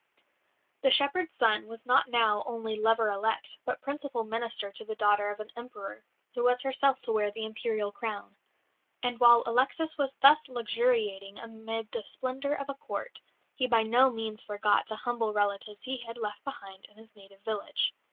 The shepherd's son was now not only lover elect, but principal "minister" to the daughter of an Emperor, who was herself to wear the Imperial crown. And while Alexis was thus luxuriating amid the splendour of a Court, he by no means forgot the humble relatives he had left behind in his native village.